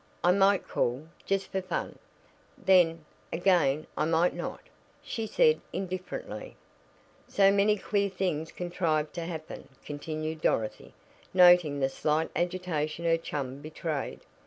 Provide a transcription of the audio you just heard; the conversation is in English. "I might call just for fun. Then, again I might not," she said indifferently. "So many queer things contrived to happen," continued Dorothy, noting the slight agitation her chum betrayed.